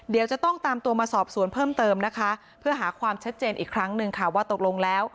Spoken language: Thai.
เดี๋ยวจะต้องตามตัวมาสอบสวนเพิ่มเติมนะคะเพื่อหาความชัดเจนอีกครั้งหนึ่งค่ะว่าตกลงแล้ว